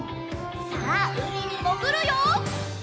さあうみにもぐるよ！